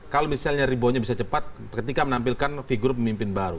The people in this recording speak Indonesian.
kalau misalnya reboundnya bisa cepat ketika menampilkan figur pemimpin baru